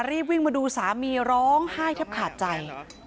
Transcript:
รีบวิ่งมาดูสามีร้องไห้แทบขาดใจ